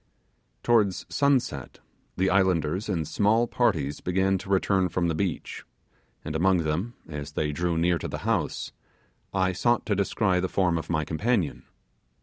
Towards sunset the islanders in small parties began to return from the beach, and among them, as they drew near to the house, I sought to descry the form of my companion.